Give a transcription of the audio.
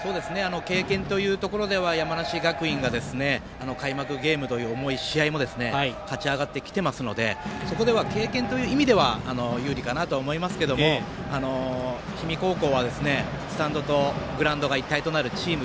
経験というところでは山梨学院が開幕ゲームという、もう１勝を勝ち上がってきてますのでそこでは経験という意味では有利かなとは思いますけども氷見高校はスタンドとグラウンドが一体となるチーム